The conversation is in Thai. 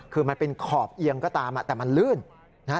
คือมันเป็นขอบเอียงก็ตามแต่มันลื่นนะฮะ